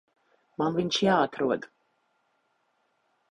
Man viņš ir jāatrod.